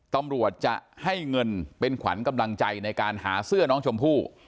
ตำรวจจะให้เงินเป็นขวัญกำลังใจในการหาเสื้อน้องชมพู่